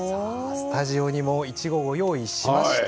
スタジオにもいちご、ご用意しました。